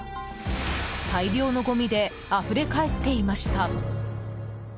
大量のごみであふれ返っていました。